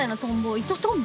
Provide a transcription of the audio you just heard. イトトンボ？